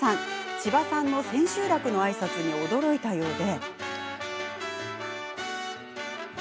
千葉さんの千秋楽のあいさつに驚いたようで。